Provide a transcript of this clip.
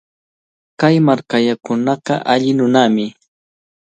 Kay markayuqkunaqa alli nunami.